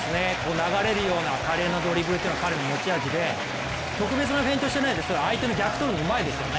流れるような華麗なドリブルは彼の持ち味で、特別なフェイントしてないです、相手の逆をとるのうまいですね。